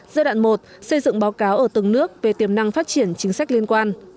giai đoạn một xây dựng báo cáo ở từng nước về tiềm năng phát triển chính sách liên quan